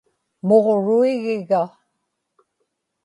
muġruigiga